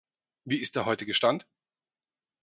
Wie ist der heutige Stand?